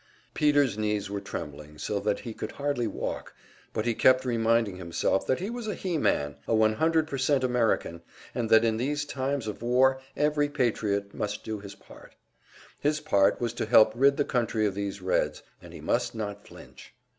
Peter's knees were trembling so that he could hardly walk, but he kept reminding himself that he was a "he man," a 100% American, and that in these times of war every patriot must do his part. His part was to help rid the country of these Reds, and he must not flinch.